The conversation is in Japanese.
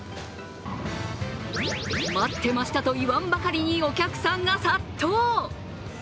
待ってましたといわんばかりにお客さんが殺到。